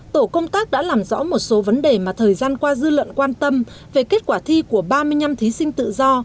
tổ công tác đã làm rõ một số vấn đề mà thời gian qua dư luận quan tâm về kết quả thi của ba mươi năm thí sinh tự do